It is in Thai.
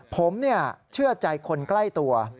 ผมเชื่อใจคนใกล้ตัว